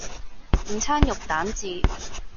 午餐肉蛋治